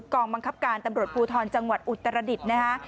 กองบังคับการตำรวจภูทรจังหวัดอุตรดิษฐ์นะคะ